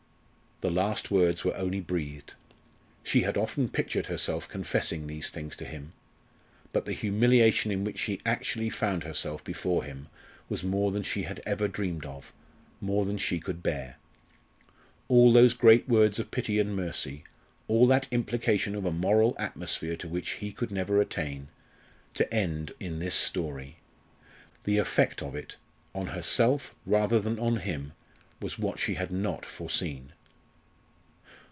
The last words were only breathed. She had often pictured herself confessing these things to him. But the humiliation in which she actually found herself before him was more than she had ever dreamed of, more than she could bear. All those great words of pity and mercy all that implication of a moral atmosphere to which he could never attain to end in this story! The effect of it, on herself, rather than on him, was what she had not foreseen.